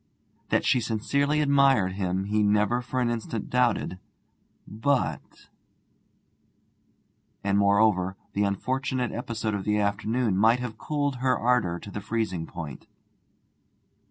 That she sincerely admired him he never for an instant doubted. But And, moreover, the unfortunate episode of the afternoon might have cooled her ardour to freezing point.